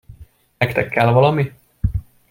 Nektek kell valami?